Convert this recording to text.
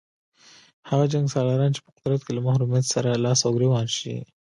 هغه جنګسالاران چې په قدرت کې له محرومیت سره لاس او ګرېوان شي.